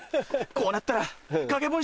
こうなったら。